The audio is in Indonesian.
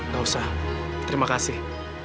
gak usah terima kasih